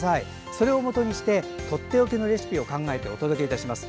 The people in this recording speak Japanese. それをもとにしてとっておきのレシピを考えてお届けします。